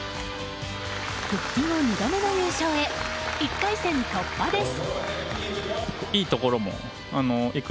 復帰後２度目の優勝へ１回戦突破です。